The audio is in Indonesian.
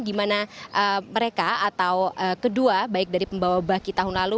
di mana mereka atau kedua baik dari pembawa baki tahun lalu